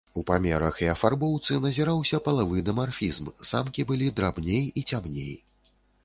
У памерах і афарбоўцы назіраўся палавы дымарфізм, самкі былі драбней і цямней.